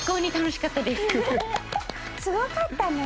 すごかったね。